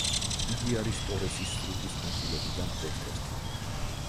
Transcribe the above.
იგი არის ტორესის სრუტის კუნძულებიდან ერთ-ერთი.